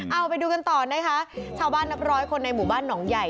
เอาไปดูกันต่อนะคะชาวบ้านนับร้อยคนในหมู่บ้านหนองใหญ่